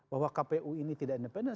bahwa kpu ini tidak independen